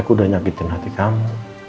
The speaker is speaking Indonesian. aku udah nyakitin hati kamu